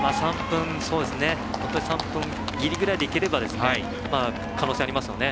本当に３分切りぐらいでいければ、可能性ありますよね。